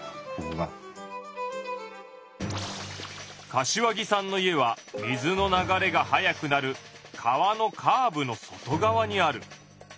柏木さんの家は水の流れが速くなる川のカーブの外側にある。